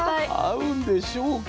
合うんでしょうか？